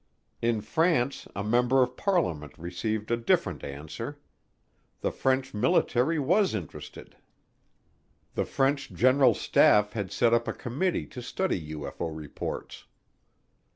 In France a member of parliament received a different answer the French military was interested. The French General Staff had set up a committee to study UFO reports.